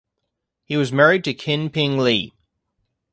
He was married to Kin Ping Lee.